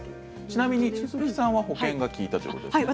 ちなみに鈴木さんは保険が利いたということですね。